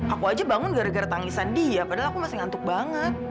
aku aja bangun gara gara tangisan dia padahal aku masih ngantuk banget